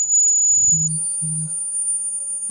نوی څېړونکی باید له هغه ځایه پیل و کړي چي پخوانی رسېدلی وي.